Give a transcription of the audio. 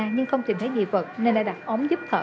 nhưng không tìm thấy nghị vật nên đã đặt ống giúp thở